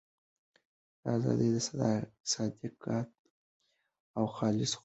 دا آزادي د صادقانه او خلاصو خبرو اترو لامل کېږي.